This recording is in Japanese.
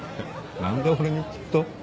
何で俺に聞くと？